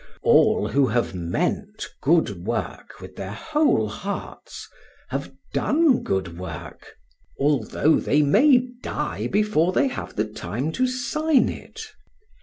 All who have meant good work with their whole hearts, have done good work, although they may die before they have the time to sign it.